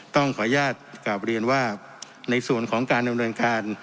ต้องขออนุญาตกลับเรียนว่าในส่วนของการดำเนินการ